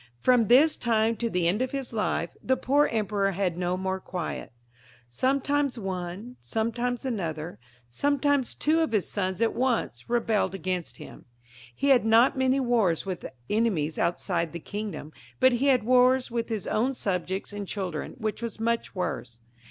Prom this time to the end of his life the poor emperor had no more quiet Sometimes one, sometimes another, some times two of his sons at once, rebelled against him. He had not many wars with enemies outside the kingdom, but he had wars with his own subjects and children, which was much worse.